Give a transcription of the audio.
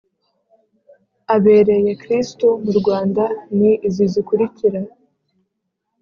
abereye Kristu mu Rwanda ni izi zikurikira